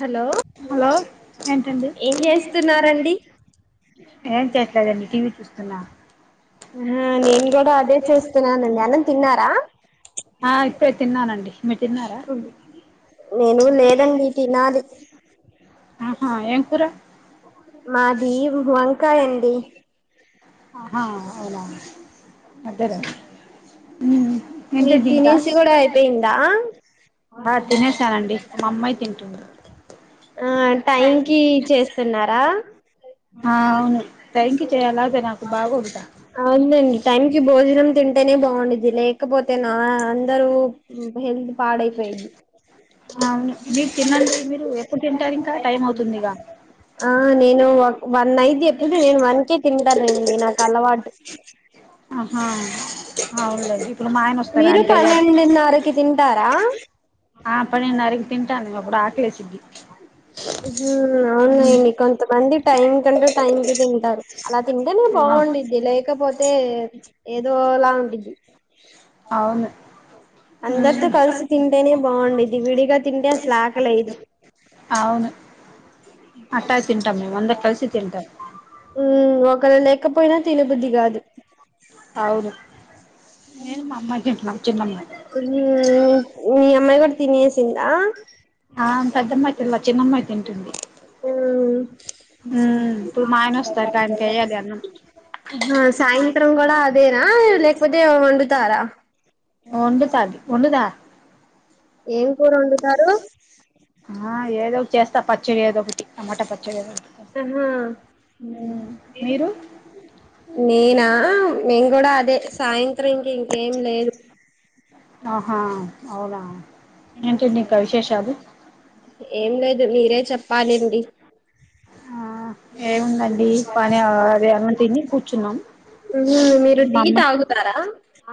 Hello hello ఏంటండి ఏం చేస్తున్నరండి ఏం చేయట్లేదండి టీవీ చూస్తున్నా ఆ నేను కూడా అదే చూస్తున్నాను అనం తిన్నారా, ఆ ఇప్పుడే తిన్నానండి మీరు తిన్నారా నేను లేదండి తినాలి ఆహా ఏం కూర మాది వంకాయ అండి హా అవునా అదేద మ ఏంటే మీది జీకా తినేసి కూడా అయిపోయిందా బ తినేసానండి మా అమ్మాయి తింటుంది ఆ టైం కి చేస్తున్నారా ఆ అవును టైంకి చేయాలి అదే నాకు బాగోదుగా అవుందండి టైంకియూ భోజనం తింటేనే బాగుం ఇ పోతే అయితే నా అందరుూ హెల్త్ పాాడయిపోయింది పుట్టింట ఇంకా టైం అవుతుంది ఇగా ఆ నేను వన్ ఐదు ఎప్పుడు నేను వన్కే తింటానండి నాకు అలవాటు ఆహా అవులేండి ఇప్పుడు మా ఆయన వస్తారు మీరు అంటేయ పన్నెండున్నరకి తింటారా ఆ పనిరకి తింటా అ కూడా ఆకలే సిద్ది హ అవును ఏమ కొంత బంది టైం క అ తింటారు అలా తింటేనే బాగుంద్ది లేకపోతే ఏదోలా ఉంటిది అవును విడిగా తింటే అసలు ఆకలేయదు అవును అట్టా తింటామ్ వంద కలిసి తింటాం హ్మ్ ఒక్క లే అపోయినా తినబుద్ధ కాదు అవును నేను మా అమ్మాయి తింటున్నాం చిన్నమ్మాయి మీ అమ్మాయి కూడా తినేసిందా జన్నమ అయి తింటుంది ఉమ్ ఇప్పుడు మా ఆయన వస్తారు ఆయనకి వేయాలి అన్నం సాయంత్రం కూడా అదేనా లేకపోతే వండుతారా వండుతా ఉందా ఏ కూర వండుతారు ఆ ఏదో ఒకటి చేస్తా పచ్చడి అదగ ఒకట్టి టమాట పచ్చడి అదొటి ఆహా మీరు నేనా మేము కూడా అదే సాయంత్రం ఇంక ఇంకేం లేదు ఆహా అవునా ఏంటండి ఇంకా విశేషాలు ఏం లేదు మీరే చెప్ప పాలడి ఆ ఏముందండి పని అది అన్న తిని కూర్చున్నాం మీరు మా టీ అమ్మ తాగుతారా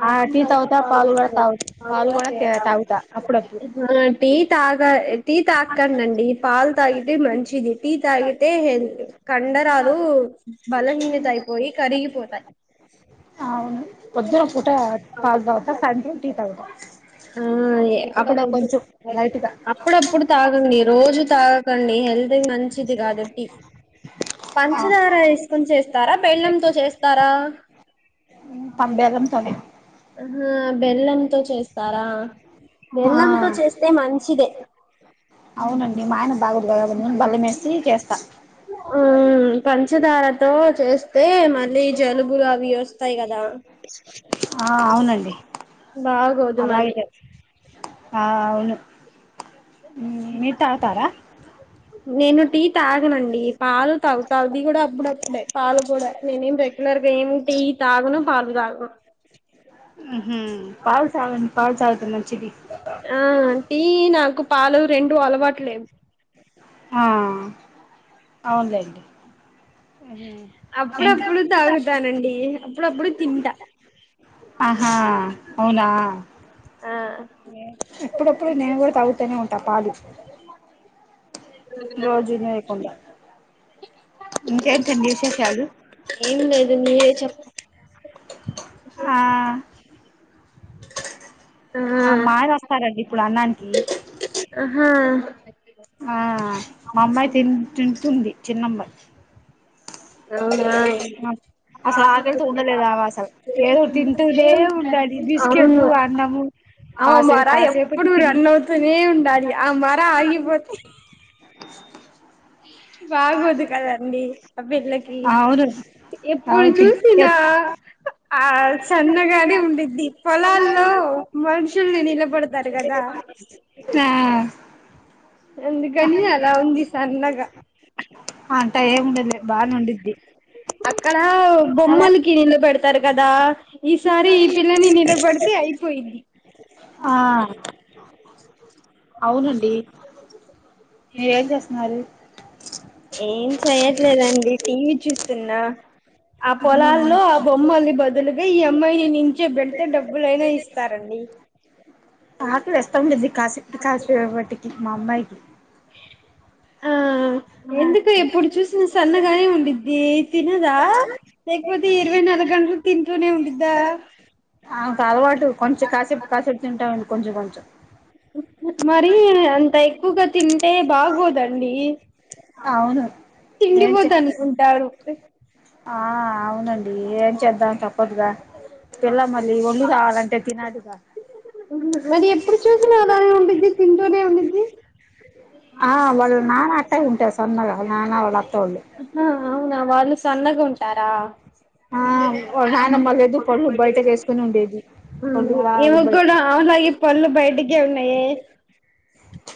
ఆ టీ తాగుతా పాలు కూడా తాగుత పాలు కూడా తాగుతా అప్పుడప్పుడు ఆ టీ తాగ టీ తాకండండి పాలు తాగితే మంచిది టీతాగగితే హదు కండరాలు బలహీనత అయిపోయి కరిగిపోతాయి అవును పొద్దున పూట పాలు తాగుతా సాయంత్రం టీ తాగుతా ఆ ఎప్పుడో కొంచెం లైట్ గా అప్పుడప్పుడు తాగండి రోజు తాగం హెల్త్ మంచిది కాదట్టి పంచదార వేసుకొని చేస్తారా బలంతో చేస్తారా పం బెల్లంతోనే ఆా బెల్లంతో చేస్తారా ఆ బెల్లంతో చేస్తే మంచిదే అవునండి మా ఆయన బాగోదు కదా నేను బెల్లం వేసి చేస్తా ఆ పంచదారతో చేస్తే మళ్ళీ జలుబులు అవి వస్త ఆ అవునండి బాగోదు అలాగే మళీ చేస్తా. ఆ అవును ఉ మీరు తాగుతారా నేను టీ తాగనండి పాలు తాగుత, అదికూడా అప్పుడప్పుడే పాలు కూడా నేనేం రెగ్యులర్ గా ఏం టీ తాగను పాలు తాగను. ఉహు పాలు తాగండి పాలు తాగితే మంచిది ఆ అంటీ నాకు పాలు రెండు అలవాటులేవు. ఆ అవునులెండి అప్పుడప్పుడు తాగుతానండి అప్పుడప్పుడు తింటా ఆహా ఆ ఎప్పుడప్పుడు నేను కూడా తాగుతూనే ఉంటా పాలు రోజునేేయకుండా ఇంకేంటండి విశేష ఎం లేదు మీరే చెప్ ఆ టి టిన్ [unintelligible] ఆ మాయన వస్తారండి, ఇప్పుడు అన్నానికి ఆహా ఆ మా అమ్మాయి తి తింటంటుంది చిన్నమ్మాయి అవునా అసలు ఆకలితో ఉండలేదామె అసలు ఏదో తింటూనే ఉండాలి బిస్కెట్లు అవునా అన్నము ఆ కాసేపు మరా ఎప్పుడు కాసేపటికి తిండి రన్ అవుతూనే ఉండాలి. ఆ మరా ఆగిపోతే బాగోదు కదండి అబ్ బిలకి అవును ఎప్పుడు అవుతి చూసినా ఎప్పుడు ఆ సన్నగానే ఉండింది. పొలాల్లో మనుషుల్ని నిలబడతారు కదా ఆ అందుకని అలా ఉంది సన్నగా అంట ఏం ఉండదులే బానే ఉండిద్ది అక్కడ బొమ్మలు కి నీళ్ళ పెడతారు కదా ఈసారి ఈ పిల్లని నిలబడితే అయిపోయింది ఆ ఆ [unintelligible] అవునండి మీరేం చేస్తున్నారు. ఏం చెయ్యట్లేదండి టీవీ చూస్తున్నా, ఆ పొలాల్లో ఆ బొమ్మల్ని బదులుగా ఇ ఇస్తారండి కాకులు ఇస్తా ఉంటుంది కాశపుటి కాసిపు వాటికి మా అమ్మాయికి ఆ [unintelligible] ఎందుకు ఎప్పుడు చూసిన సన్నగానే ఉండిద్ది తినదా లేకపోతే ఇరవై నాలుగు గంటలు తింటూనే ఉండిద్దా అకు అలవాటు కొంచం కాసపు కాసేపు తింటాముండి కొంచెం కొంచం మరి అంత ఎక్కువగా తింటే బాగోదండి అవును ఏం చే తిండిబోతు అనుకుంటారు ఆ అవునండి ఎం చేద్దాం తప్పదుగా పిల్ల మళ్ళీ వళ్ళు కావాలంటే తినాలిగా మరి ఎప్పుడు చూసినా అలానే ఉండిద్ది తింటూనే ఉండిద్ది [unintelligible] ఆ వల్ల నానా ఉంటా సన్నగా ననా వాళ్ళు అత్త వాళ్ళు సొన్నగా ఉంటారా ఆ నానమ్మర్లేదు పళ్లు బయటకి వేసుకుని ఉండేది పళ్ళు రా ఈమెకి బయట కూడా అమలాగి పళ్లు బయటికే ఉన్నాయి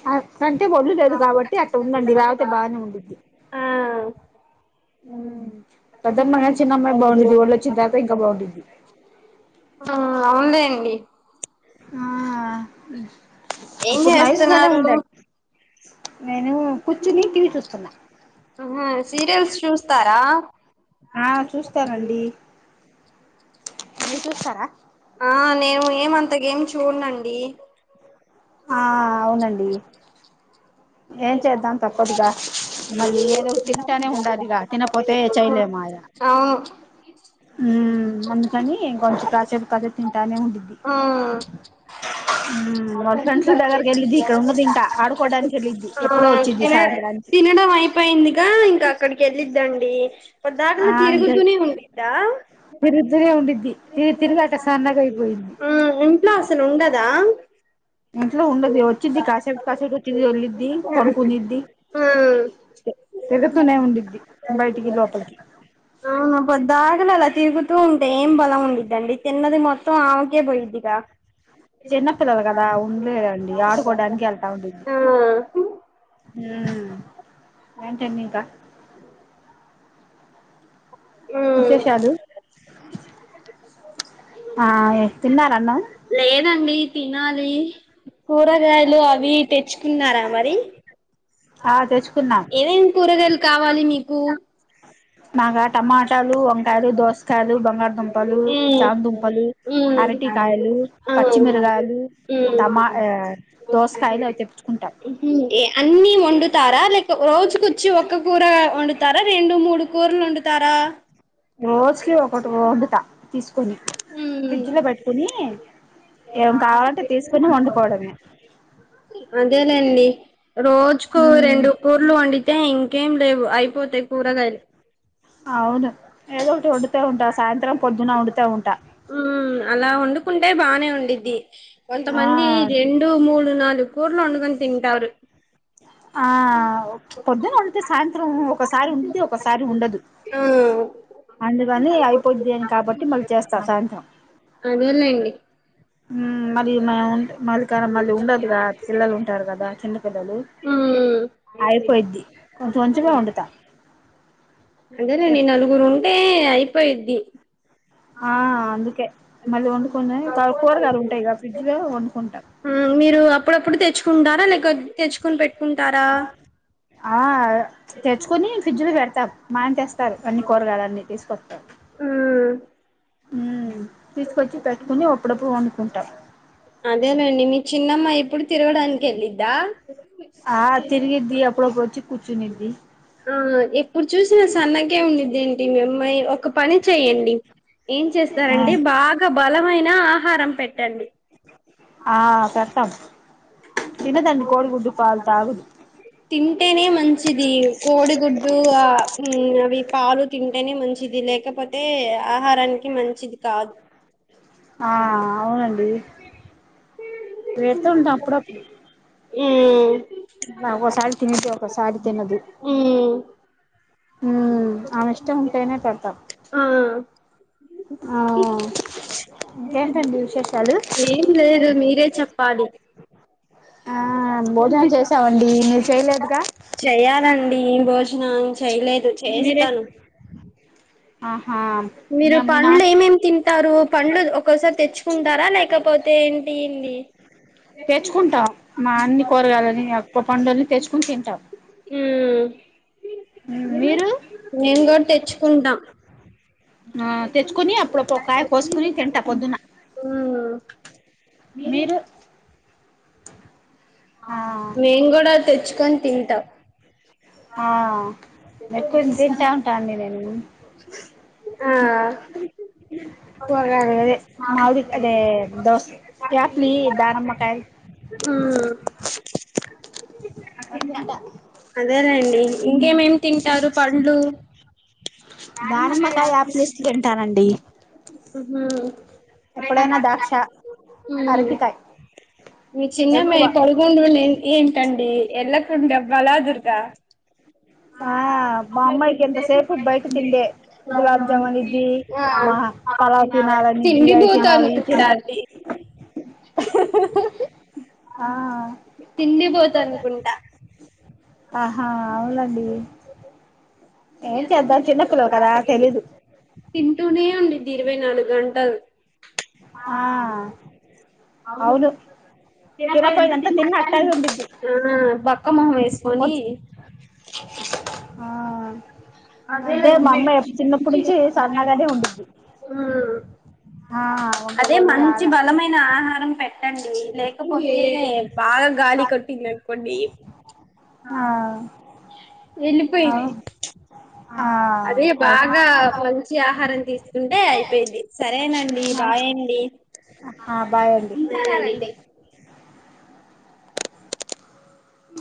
ఆ అంటే వొళ్ళు లేదు కాబట్టి అట్ ఉందండి లేకతే బాగానే ఉండద్ది చిన్నమ్మాయి బాగుండిద్ది ఒళ్ళు వచ్చిన తర్వాత ఇంకా బాగుండిద్ది అవుంది అడి ఆ ఏం అప్పుడు నైస్ గానే చేస్తున్నారు ఉండాలి నేను కూర్చుని టీవీ చూస్తున్నా హా సీరియల్స్ చూస్తారా ఆ చూస్తానండి మీరు చూస్తారా ఆ నేను ఏమ అంతగేం చూడనండి [inaudible] ఆ అవునండి ఏం చేద్దాం తప్పదుగా మళ్ళీ ఏదో తింటానే హా ఉండాలిగా తినపోతే చేయలేము ఆయ ఉమ్ హా అందుకని కొంచెం కాసేపు కాసేపు తింటానే ఉండిద్ది హా ఉమ్ వాళ్ళ ఫ్రెండ్స్ దగ్గరకి వెళ్ళిద్ది ఇక్కడ ఉండదు ఇంకా ఆడుకోవడానికి హా వెళ్ళిద్ది ఆ ఎప్పుడో వచ్చిద్ది త సాయంత్రానికి తినడం అయిపోయిందిగా ఇంకా అక్కడికి వెళ్ళిద్దండి పోదకలు ఆ ఇంకా తిరుగుతూనే ఉంద్దా తిరుగుతూనే ఉండిద్ది తిరిగి తిరిగి అట్ట సన్నగా అయిపోయిద్ది ఇంట్లో అసలు ఉండదా ఇంట్లో ఉండది వచ్చిది కాసేపు కాసేపు వచ్చిది వెళ్ళద్ది తిరుగుతూనే ఉండిద్ది బయటికి లోపలికి ద్దగ తరుగుతూ ఉంట ఏం బలం ఉండిందండి తిన్నది మొత్తం ఆవకే పోయిద్దిగా చిన్న పిల్లలు కదా ఉండలేరండి హ ఏంటిఅండి ఇంకా అ విశేషాలు ఆ తిన్నార అన్నం లేదండి తినాలి కూరగాయలు అవి తెచ్చుకుంట అ ఆ తెచ్చు ఏవేం కూరగాయలు కావాలి మీకు మాకా టమాటాలు వంకాయలు దోస కాదు బా [unintelligible] బంగారుదుంపలు చామదుంపలు అరటికాయలు పచ్చిమిరకాయలు తమా దోసకాయలు అవి తెప్పి అన్ని వండుతారా లేక రోజుకొచ్చి ఒక్క కూర వండుతారా రెండు మూడు కూరలు వండుతారా తీసు ని ఉమ్ ఫ్రిడ్జ్ లో పెట్టుకొని ఏం కావాలంటే తీసుకుని వండిపోవడమే ండి [unintelligible] రోజుకు రెండు కూర్లు వండి అయితే ఇంకేం లేవు అయిపోతే కూరగాయలు అవును ఏదో ఒకటి వండుత ఉంటా సాయంత్రం పొద్దున వండుత స్త ఉంటా ఉ అలా వండుకుంటే బాగానే ఉండిద్ది ఆ కొంతమంది రెండు మూడు నాలుగు కూరలు వండుకొని తింటారు ఆ పొద్దున వండితే సాయంత్రం ఒకసారి ఉంటది ఒకసారి ఉండదు ఆ అందుకని అయిపోది అని కాబట్టి మళ్ళీ చేస్త సధాంటం [unintelligible] అదేలేండి ఉ మరియున్నాయ మళ్ళీ కా మళ్ళీ ఉండదుగాద పిల్లలు ఉంటారు కదా చిన్నపిిల్లలు ఉమ్ అయిపోయిద్ది కొంచ కొంచమె వండుతా అదేనండి నలుగురు ఉంటే అయి ప్పయిది ఆ అందుకే మళ్ళీ వండుకునే కూరగాయలు ఉంటాయి గ ఫ్రిడ్జ్ లో వండుకుంటా మీరు అప్పుడప్పుడు తెచ్చుకుంటారా లేక తెచ్చుకుొని పెట్టుకుంటారా ఆ తెచ్చుకుని ఫ్రిడ్జ్ లో పెడతాం మాఆయన తెస్తారు అన్ని కూరగాయల అన్నీ తీసుకొస్తాారు ఉమ్ తీసుకొచ్చి పెట్టుకుని అప్పుడప్పుడు వండుకుంటాం అదేనండి మీ చిన్నమ్మ ఇప్పుడు తిరగడానికి వెళ్ళిద్దా ఆ తిరుగిద్ది పప్పుడుకు వచ్చి కు కూచునిధది [unintelligible] ఇ ఇప్పుడు చూసిన సన్నకే ఉండిది ఏంటి మీఅ మై ఒ ఒక పని చెయ్యండి ఏం చేస్తారంటే బాగా బలం అయినా ఆహారం పెట్టండి ఆ పెడ్తాం తింటనే మ మంచిది కోడిగుడ్డు ఆ మ్మ్ అవి పాలు తింటేనే మంచిది లేకపోతే ఆహారానికి మంచిది కాదు ఆ అవునండి వేస్తుంట అప్పుడప్పుడు మ్మ్ ఆ ఓసారి తిన్నది ఒకసారి తినదు మ్ మ్మ్ ఆమిష్ట ఉంటేనే పెడ్తా ఆ ఇంకేంటండి విశేషాలు ఏం లేదు మీరే చెప్పాలి ఆ భోజనం చేసామండి మీరు చేయలేదుగా చేయాలండి ఈరోజున చెయ్యలేదు మీరే చేస్తాను ఆహా మీ మీరు మీ పండ్లు నాన్న ఏమేం తింటారు పండ్లు ఒక్కోసారి తెచ్చుకుంటారా లేకపోతే ఏంటింది తెచ్చుకుంటాం మా అన్ని కూరగాయలని ప పండుల్ని తెచ్చుకుని తింటాం మ్మ్ మీరు మేం కూడా తెచ్చుకుంటాం ఆ తెచ్చుకొని అప్పుడకోకాయ కోసుకొని తింట పొద్దున మీరు ఆ మేము కూడా తెచ్చుకొని తింటాం ఆ ఎక్కువ తింటా ఉంటాండి నేను ఆ కూరగాయలు అదే మామిడి అదే దోస యాప్లి దానిమ్మకాయలు మ్మ్ అ తింట అదేనండి ఇంకేమేం తింటారు పండ్లు దానిమ్మకాయ్ యాపిలిస్ తింటానండి హుహుమ్మ్ ఎప్పుడైనా దాక్ష ఉమ్ అరటికాయ్ మీ చిన్నమ్మాయి పడ్గొంగూటుండే ఏంటం ఈ ఎల్లకుండబ్బలాదుర్గ ఆ మా అమ్మాయికి ఎంతసేపు బయట తిండే గులాబ్ జామున్ ఇది ఆ మా పలావ్ తినాలనిద్ది అవి తినాలి ఇవి తిండిబోతనుకుంట తినాలి అండి ఆ తిండిబో తనుకుంట ఆహా అవునండి ఏం చేద్దం చిన్న పిల్లలు కదా తెలీదు టూనే ఉండిద్ది ఇరవై నాలుగంటలు ఆ అవును తినకపోయి అంతా తినపోయినంత తిన్న తిన్నట్టే అట్టాగే ఉండి ఉండిద్ది ఆ బక్క మోహం వేసుకొని. వచ్చి ఆ అదే [inaudible] అంటే మా అమ్మ చిన్నప్పటి నుంచి సన్నగానే ఉండిద్ది ఆ వంక అదే బరువు మంచి రాలే బలమైన ఆహారం పెట్టండి లేకపోతే బాగా గాలి కొట్టి లేపండి హా ఆ అవు వెళ్లిపోయింది. ఆ అదే బాగా మంచి ఆహారం తీసుకుంటే అయిపోయింది సరేనండి బాయ్ అండి. హా బాయ్ అండి ఉంటానండి